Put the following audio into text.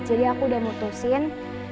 jadi aku udah mutusin